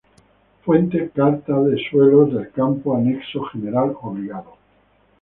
Fuente: Carta de Suelos del Campo Anexo General Obligado.